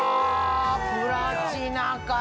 プラチナか。